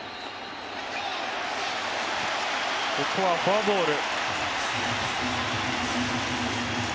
ここはフォアボール。